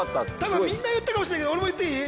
みんな言ったかもしれないけど俺も言っていい？